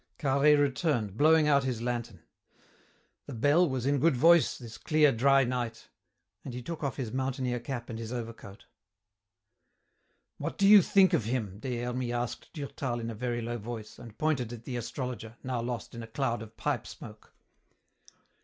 Carhaix returned, blowing out his lantern. "The bell was in good voice, this clear, dry night," and he took off his mountaineer cap and his overcoat. "What do you think of him?" Des Hermies asked Durtal in a very low voice, and pointed at the astrologer, now lost in a cloud of pipe smoke.